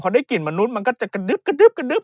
พอได้กลิ่นมนุษย์มันก็จะกระดึ๊บกระดึ๊บกระดึ๊